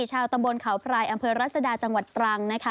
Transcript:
ชาวตำบลเขาพรายอำเภอรัศดาจังหวัดตรังนะคะ